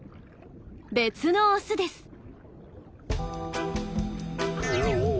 別のオスです。